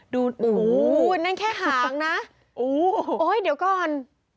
ดูโอ้โหนั่นแค่หางนะโอ๊ยเดี๋ยวก่อน